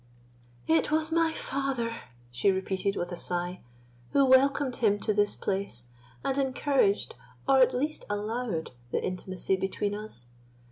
"It was my father," she repeated with a sigh, "who welcomed him to this place, and encouraged, or at least allowed, the intimacy between us.